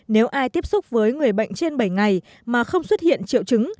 nếu ai tiếp xúc với người bệnh trên bảy ngày mà không xuất hiện triệu chứng